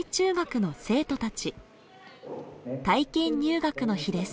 体験入学の日です。